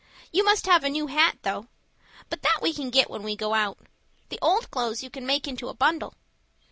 You must have a new hat though. But that we can get when we go out. The old clothes you can make into a bundle."